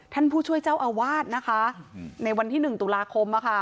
ท่านผู้ช่วยเจ้าอาวาสนะคะในวันที่๑ตุลาคม